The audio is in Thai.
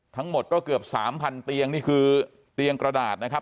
ทั้งหมดก็เกือบ๓๐๐เตียงนี่คือเตียงกระดาษนะครับ